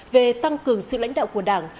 về tăng cường sự lãnh đạo của đảng